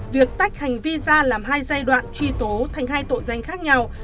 hình visa làm hai giai đoạn truy tố thành hai tội danh khác nhau